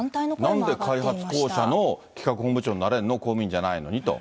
なんで開発公社の企画本部長になれるの、公務員じゃないのにと。